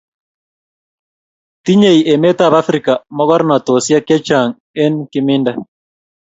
tinyei emetab Afrika mogornotosiek chechang eng kiminde